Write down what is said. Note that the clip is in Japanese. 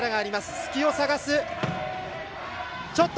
隙を探す。